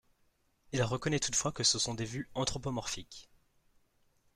Il reconnaît toutefois que ce sont des vues anthropomorphiques.